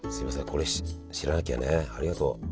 これ知らなきゃねありがとう。